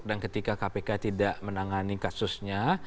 dan ketika kpk tidak menangani kasusnya